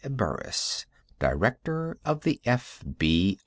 Burris, Director of the FBI.